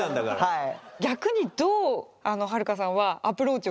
はい。